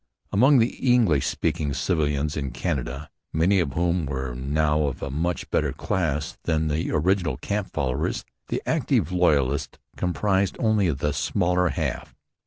Among the English speaking civilians in Canada, many of whom were now of a much better class than the original camp followers, the active loyalists comprised only the smaller half.